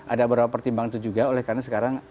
ada beberapa pertimbangan itu juga oleh karena sekarang